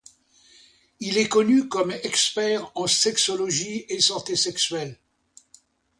Il est connu comme expert en sexologie et santé sexuelle.